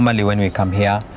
bằng một giấc mơ